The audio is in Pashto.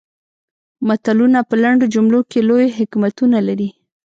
متلونه په لنډو جملو کې لوی حکمتونه لري